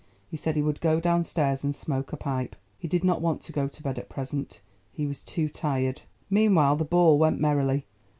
He said he would go downstairs and smoke a pipe. He did not want to go to bed at present; he was too tired. Meanwhile the ball went merrily.